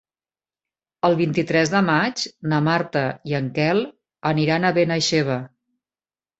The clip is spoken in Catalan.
El vint-i-tres de maig na Marta i en Quel aniran a Benaixeve.